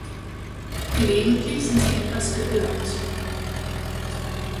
Gelegentlich sind sie etwas geöhrt.